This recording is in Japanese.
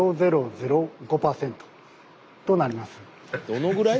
どのぐらい？